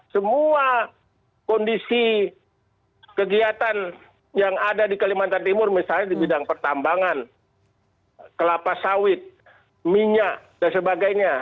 semua kondisi kegiatan yang ada di kalimantan timur misalnya di bidang pertambangan kelapa sawit minyak dan sebagainya